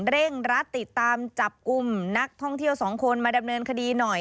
เร่งรัดติดตามจับกลุ่มนักท่องเที่ยวสองคนมาดำเนินคดีหน่อย